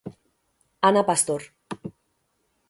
Ana Pastor.